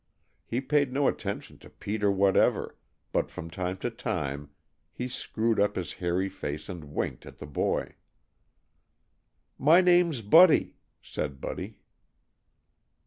He paid no attention to Peter whatever but from time to time he screwed up his hairy face and winked at the boy. "My name's Buddy," said Buddy.